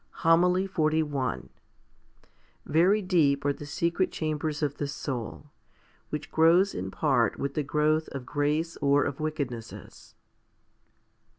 HOMILY XLI Very deep are the secret chambers of the soul, which grows in part with the growth of grace or of wickednesses.